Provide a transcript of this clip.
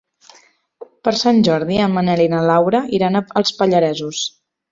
Per Sant Jordi en Manel i na Laura iran als Pallaresos.